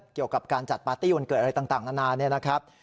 เกี่ยวกับการจัดปาร์ตี้วันเกิดอะไรต่างนานาเนี่ยนะครับ